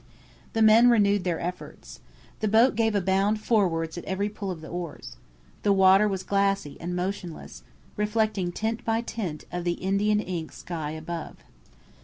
The men renewed their efforts. The boat gave a bound forwards at every pull of the oars. The water was glassy and motionless, reflecting tint by tint of the Indian ink sky above.